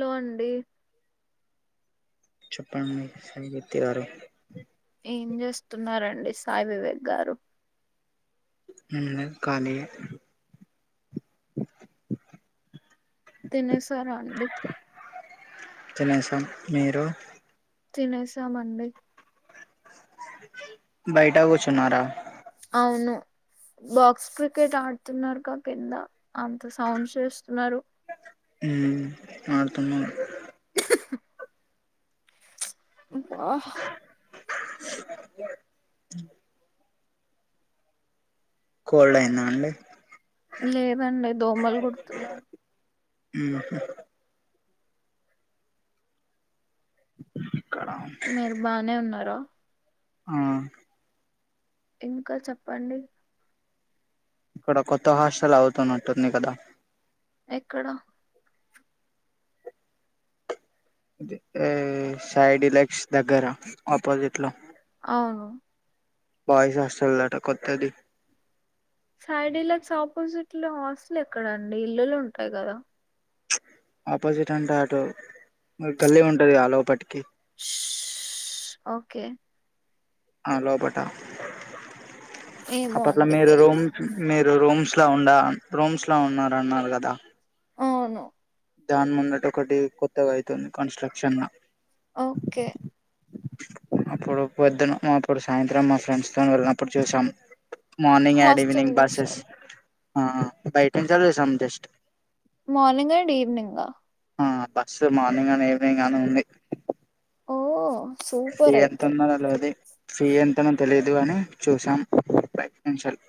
లో అండి చెప్పండి సంగీత గారు ఏం చేస్తున్నారండి సాయి వివేక్ గారు నేను కాలిఎ తినేసారా అండి తినీసం మీరు తినేసా మండి బయటా కూర్చున్నారా అవును బాక్స్ క్రికెట్ ఆడుతున్నారుగా కింద అంత సడ్స్ చేస్తున్నారు ఉ ఆడుతున్నారు హ హా వా అ కోల్డ్ అయిందా అండి లేదండి దోమలు కుడుతున్నాయి ఉహు [inaudible] మీరు బానే ఉన్నారా ఆ ఇంకా చెప్పండి ఇక్కడ కొత్త హాస్టల్ అవుతున్నట్టుంది కదా ఎక్కడ ఎ ఏ సైడ్ డిలక్స్ దగ్గర ఆపోజిట్ లో అవును బయిస్ హాస్టల్ లట కొత్తది సైడ్ డీలాక్స్ ఆపోజిట్ లో హాస్టల్ ఎక్కడ అండి ఇల్లులు ఉంటాయి కదా ఆపోజిట్ అంటే అటు గల్లీ ఉంటది గా ఆ లోపటికి ఉష్ ఓకే ఆ లోపట ఏమో ఆపట్ల అండి మీరు రూమ్ తెల్వదు మీరు రూమ్స్ రౌండ్ రూమ్స్ లో ఉన్నారన్నారు కదా అవును దాని మున్నటి ఒకటి కొత్తగా అయితుంది కన్స్ట్రక్షన్ లా ఓకే అప్పుడు పొద్దున అప్పుడు సాయంత్రం మా ఫ్రెండ్స్ తో వెళ్ళినప్పుడు చూసాం morning and hostel evening buses చూసారు ఆ బయటి నుండి చూసాం just morning and evening ఆ బస్సు మార్నింగ్ అని ఈవినింగ్ అని ఉంది ఓ సూపర్ ఎంత అయితే ఉన్న లాఅదే ఫీ ఎంతనో తెలీదు గాని చూసాం భయట్నీంచాలి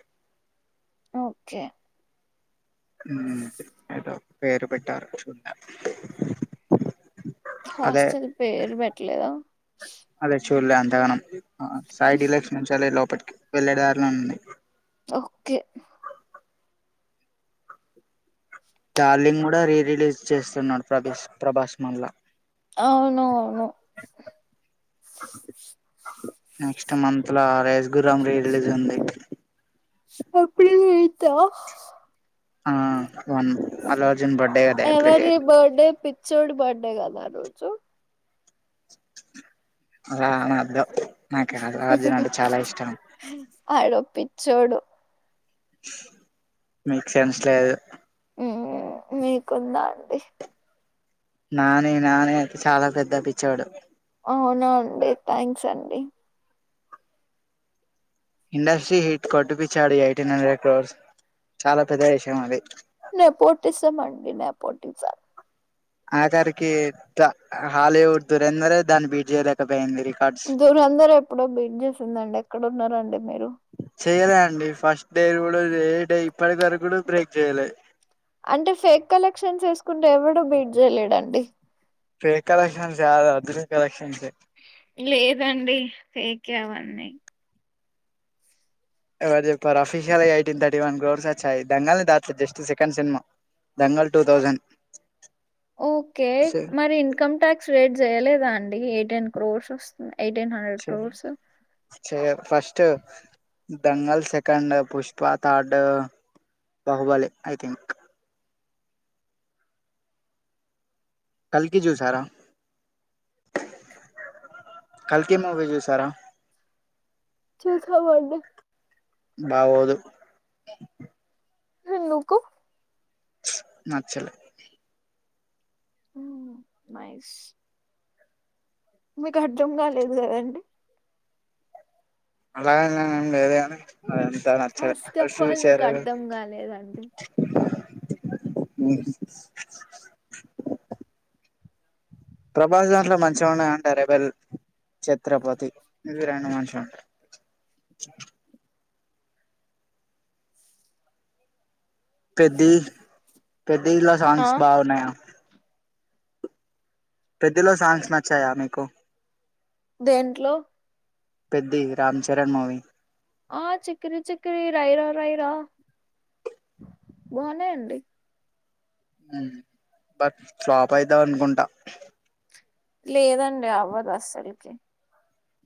ఓకే ఉమ్ ఏదో పేరు పెట్టారు చూ [unintelligible] హాస్టల్ పేరు పెట్టలేదా చూల్లే అంతగానం అ సైడ్ ఢిలక్స్ ఉంచాలే లో ప్ ఇప్పట్ వెళ్ళే దారిలో ఉన్నాయ్ ఓకే డార్లింగ్ కూడా రీ రిలీజ్ చేస్తున్నాడు ప్రభస్ ప్రభాస్ మళ్ళా అవునవును నెక్స్ట్ మంత్ లా రేజ్ గుర్రం రీ రిలీజ్ ఉంది ఏప్ రల్ ఏయితా ఆ వన్ అలా ఎవరి బర్డే పిత్ చోడు బర్డె గద ఆ రోజు అలా అన్నోదు నాకు అర్జున్ అంటే చాలా ఇష్టం చోడు మీకు సెన్స్ లేదు ఉమ్మ్ మీకుందా అండి నాని నాని అయితే చాలా పెద్ద పిచ్చోడు అవునా అండి థాంక్స్ అండి ఇండస్ట్రీ హిట్ కొట్టిపిచ్చాడు ఎయిటీన్ హండ్రెడ్ ఎక్రోర్స్ చాలా పెద్ద విషయం అది నెపోటిసమ్ మండి నెపోటిజం ఆఖరికి ట హాలీవుడ్ దురెందరే దాన్ని బీడ్ చేయలేకపోయిందిరి దురందర్ ఎప్పుడో బీట్ చేసిందండి ఎక్కడ ఉన్నరండి మీరు చేయలే అండి ఫస్ట్ డే ఏ టై ఇప్పడి వరకు కూడా బ్రేక్ చేయాలే అంటే ఫేక్ కలెక్షన్ ఎసుకుంటే ఎవడు బీట్ చేయలేడండి ఫేక్ కలెక్షన్స్ కాదు అద ఒరిజిన్కలెక్షన్స్ ఎ లేదండి ఫేకె అవన్నీ ఎవరు చెప్పారు official eighteen thirty one crores వచ్చాయి దంగల్ని దాట్తుదు just second cinema Dangal two thousand okay మరి ఇన్కమ్ ట్యాక్స్ రేట్ చేయలేదా అం ఎయిటిన్ క్రోర్స్ వస్తున్నాయి say first Dangal second Pushpa third Baahubali I think కల్కి చూసారా కల్కి మూవీ చూసారా చూసా మండి బాగొదు ఎందుకు నచ్చలే ఉమ్ మైస్ మీకు అర్థం కాలేదు కదండి అలా [unintelligible] లేదే అదంతా నచ్చలే ఫస్ట్ అవి ఆఫ్ ఆల్ మీకు సూచరు అర్థం కాలేదండి ఉమ్ ప్రభాస్ దాంట్లో మంచిగా ఉన్నాయి అంట రెబల్ ఛత్రపతి ఇవి రెండు మంచిగా ఉంటాయి పెద్ది పెద్ది లా ఆ సాంగ్స్ బాగున్నాయా పెద్ది లో సాంగ్స్ నచ్చాయా మీకు దేంట్లో పెద్ది రామ్ చరణ్ మూవీ ఆ చిక్కిరి చిక్కిరి రైరా రైరా బాగున్నయండి ఉమ్ బట్ ఫ్లాప్ అయితా అనుకుంటా లేదండి అవ్వదు అస్సలకి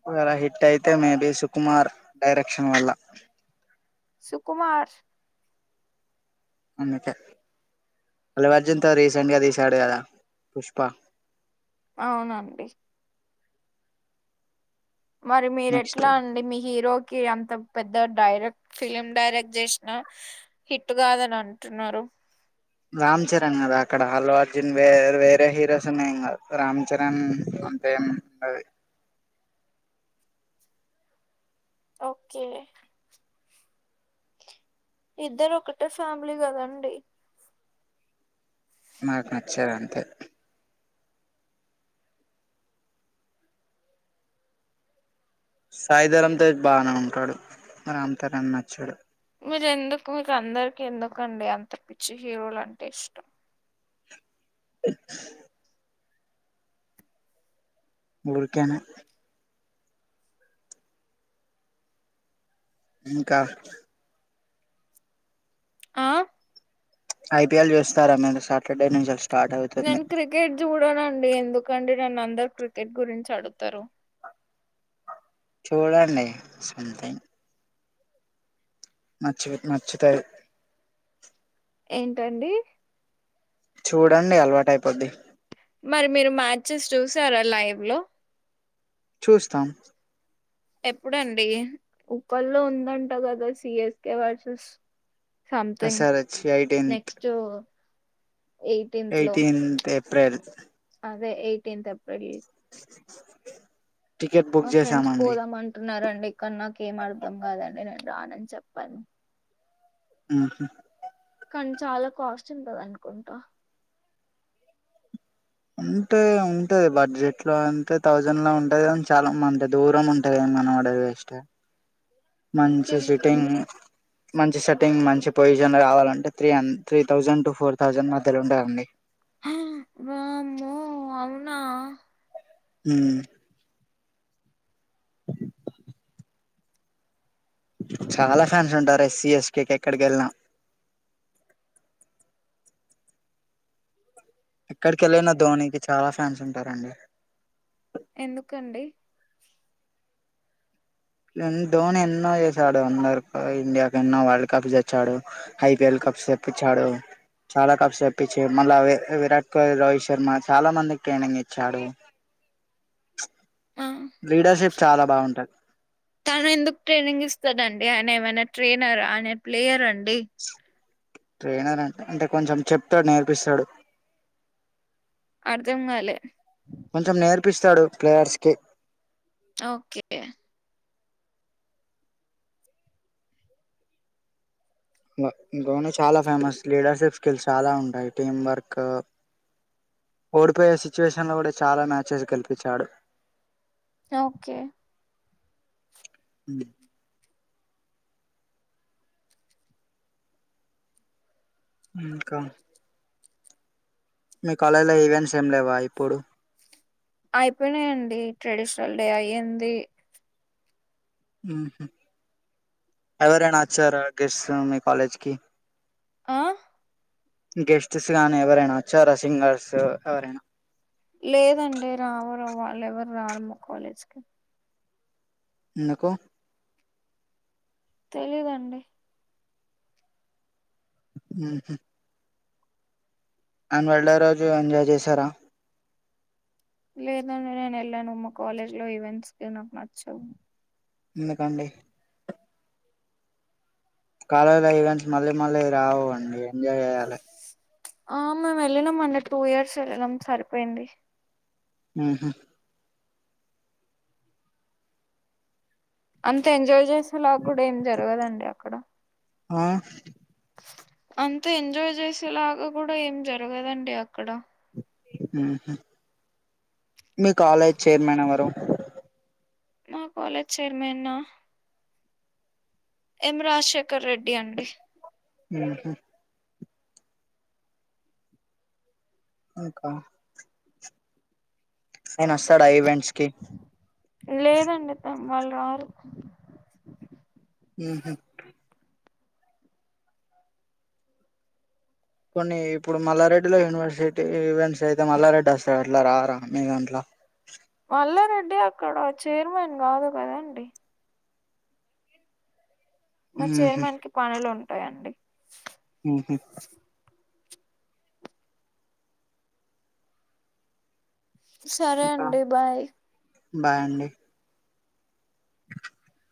ఒకేలా హిట్ అయితే మేబి సుకుమార్ డైరెక్షన్ వల్ల సుకుమార్ అందుకే అల్లు అర్జున్తో రీసెంట్ గా తీసాడు కదా పుష్ప అవునండి మరి మీరు నెక్స్ట్ ఎట్లా అండి మీ హీరో కె అంత పెద్ద డైరెక్ట్ ఫిలిమ్ డైరెక్ట్ చేసిన హిట్ కాదని అంటున్నారు రామ్ చరణ్ కదా అక్కడ అల్లు అర్జున్ వేర్ వేరే హీరోస్ ఉన్నాయి కదా రామ్ చరణ్ అంతే ఏం ఉండది ఓకే ఇద్దరు ఒకటే ఫ్యామిలీ కదండి? నాకు నచ్చదంతే. సాయిధరమ్ తేజ్ బానే ఉంటాడు, మరి అంత నాక్ నచ్చడు. మీరెందుకు? మీకు అందరికి ఎందుకండి అంత పిచ్చి హీరోలు అంటే ఇష్టం? ఊర్కెనే. ఇంకా? ఆ? ఐ పీ ఎల్ చూస్తారా మీరు? సాటర్డే నుంచ స్ నేన్ క్రికెట్ చూడనండి, ఎన్ ఎందుకండి నన్ను అందరు క్రికెట్ గురించి అడుగుతరు? చూడండి సంథింగ్. నచ్చివి నచ్చుతరు. ఏంటండి? చూడండి, అలవాటయిపోద్ది. మరి మీరు మ్యాచెస్ చూసారా లైవ్ లో? చూస్తాం. ఎప్పుడండి? ఉప్పల్లో ఉందంట కదా C S K versus S something R H, eighteenth. Next eighteenth లో ఎయిటిన్త్ ఫ్రైడే తొని అదే, ఎయిటీన్త్ ఎప్రిల్ ఏ టికెట్ మా బుక్ ఫ్రెండ్స్ చేసామండి పోదామంటున్నారన్ డెక్కడ్ నాకేం అర్ధం కాదండి, నేన్ రానని చెప్పాను. ఆహ కనీ చాలా కాస్ట్ ఉంటదనుకుంటా. ఉంటే ఉంటది బడ్జెట్ లో అంటే, థౌజండ్ లో ఉంటది కని చాలా మం దూరం ఉంటంది మనం ఆడ పోయి వెస్టే. మంచి ఇంకెందుకండి సిట్టింగ్ మంచి సెట్టింగ్, మంచి పొజిషన్ల రావాలంటే త్రీ హన్ three thousand to four thousand మధ్యలో ఉంటదా అండి? హా వామ్మో, అవునా? హ్మ్ చాలా ఫ్యాన్స్ ఉంటారు ఎస్సీ ఎస్ కే ఎక్కడికి ఎళ్ళినా? ఎక్కడికి వెళ్ళిన ధోనికి చాలా ఫ్యాన్స్ ఉంటారండి. ఎందుకండి? నేన్ ధోని ఎన్నో చేసాడు అందర్ ఇండియాకి ఎన్నో వరల్డ్ కప్స్ తెచ్చాడు, ఐపిఎల్ కప్స్ తెప్పిచ్చాడు, చాలా కప్స్ తెప్పిచ్చి మళ్ళా వి విరాట్ కోహ్లీ, రోహిత్ శర్మ చాలా మందికి ట్రైనింగ్ ఇచ్చాడు. ఉ లీడర్షిప్ చాలా బాగుంటది తను ఎందుకు ట్రైనింగ్ ఇస్తాడండి? ఆయన ఏమైనా ట్రైనరా? ఆయన ప్లేయర్ అండి. డి ట్రైనర్ అం అంటే కొంచెం చెప్తడు, నేర్పిస్తాడు. అర్దంగాలే? కొంచెం నేర్పిస్తడు ప్లేయర్స్ కి. ఓకే గా ధోనీ చాలా ఫేమస్, లీడర్షిప్ స్కిల్స్ చాలా ఉంటాయి. టీం వర్క్, ఓడిపోయే సిచ్యువేషన్ లో కూడా చాలా మ్యాచెస్ గెలిపిచాడు. ఓకే ఉమ్ ఇంకా మీ కాలేజ్ లో ఈవెంట్స్ ఏం లేవా ఇప్పుడు అయిపోనాయండి ట్రెడిషనల్ డే అయ్యింది ఎవరైనా వచ్చారా గెస్తు మీ కాలేజ్కి ఆ గెస్ట్స్ గానీ ఎవరైనా వచ్చారా సింగర్స్ ఎవరైనా లేదండి రావరు వాళ్ళు ఎవరు రారు మా కాలేజ్కి నకు తెలీదండి హ అన వెళ్ళ రోజు ఎంజాయ్ చేశారా లేదంటడి నేను వెళ్ళ ను మా కాలేజీలో ఈవెంట్స్కి నాకు నచ్చవు నిందు కదండి కాలేజీ లో ఈవెంట్స్ మళ్ళీ మళ్ళీ రావు అండి ఎంజాయ్ చేయాలి ఆ మేము వెళ్ళినాం అంటే టూ ఇయర్స్ వెళ్ళినాం సరిపోయింది హహా అంత ఎంజాయ్ చేసేలా కూడా ఏం జరగదండి అక్కడ ఆ అంతా ఎంజాయ్ చేసేలాగా కూడా ఏం జరగదండి అక్కడ మీ కాలేజ్ చైర్మన్ ఎవరు మా కాలేజ్ చైర్మ నా ఎమ రాశ ఆక్క రెడి అండి ఉహు ఇంకా ఏన్స్తాడా ఈవెంట్స్ ఓకే లేదండి త వాళ్ళు రారు హహ కొన్ని ఇప్పుడు మల్లారెడ్డిలో యూనివర్సిటీ ఈవెంట్స్ అయితే మల్లారెడ్డి వస్తారు అట్లా రారా మీదంట్లా మల్లారెడ్డి అక్కడ చైర్మన్ కాదు కదాండి మా ఉహు చైర్మన్ కి పణలో ఉ ఉంటాయండి ఉహు సరే ఇంకా అండి బాయ్ బాయ్ అండి ఆ